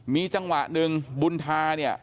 มีจังหวะหนึ่งบุญธาเนี่ย